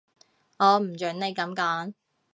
我唔準你噉講